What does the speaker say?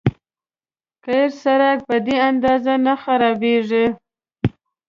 قیر سړک په دې اندازه نه خرابېږي.